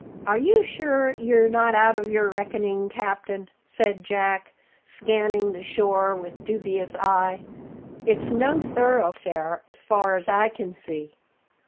"Are you sure you're not out of your reckoning, captain?" said Jack, scanning the shore line with dubious eye. "It's no thoroughfare, so far as I can see."